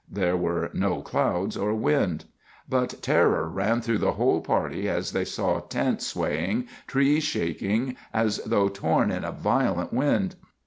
There were no clouds or wind. But terror ran through the whole party as they saw tents swaying, trees shaking as though torn in a violent wind.